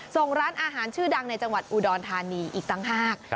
ส่งร้านอาหารชื่อดังในจังหวัดอุดรธานีอีกต่างหาก